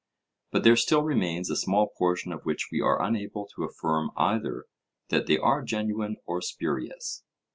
But there still remains a small portion of which we are unable to affirm either that they are genuine or spurious.